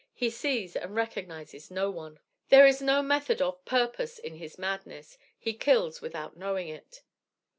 He sees and recognizes no one. There is no method of purpose in his madness. He kills without knowing it.